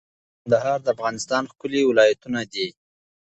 پنجشېر او کندهار د افغانستان ښکلي ولایتونه دي.